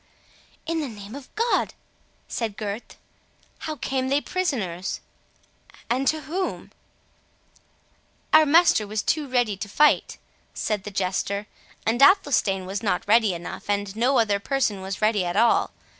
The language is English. "In the name of God!" said Gurth, "how came they prisoners?—and to whom?" "Our master was too ready to fight," said the Jester; "and Athelstane was not ready enough, and no other person was ready at all.